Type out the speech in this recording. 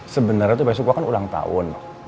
sebenernya tuh besok gue kan ulang tahun